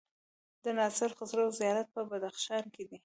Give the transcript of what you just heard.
د ناصر خسرو زيارت په بدخشان کی دی